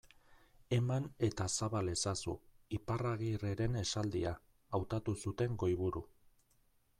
Eman eta zabal ezazu, Iparragirreren esaldia, hautatu zuten goiburu.